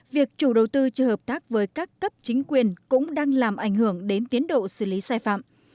việc chủ đầu tư chưa hợp tác với các cấp chính quyền cũng đang làm ảnh hưởng đến tiến độ xử lý sai phạm